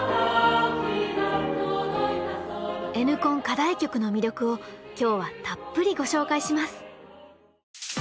課題曲の魅力を今日はたっぷりご紹介します！